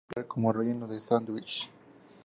Se suele emplear como relleno de sándwiches.